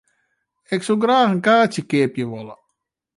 Ik soe graach in kaartsje keapje wolle.